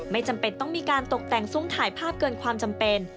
จำเป็นต้องมีการตกแต่งซุ้มถ่ายภาพเกินความจำเป็น